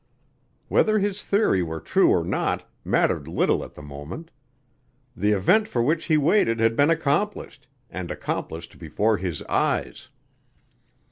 Whether his theory were true or not mattered little at the moment. The event for which he waited had been accomplished and accomplished before his eyes.